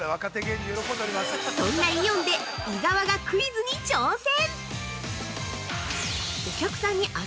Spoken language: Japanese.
そんなイオンで、伊沢がクイズに挑戦。